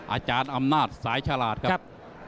อาจารย์อำนาจสายฉลาดครับ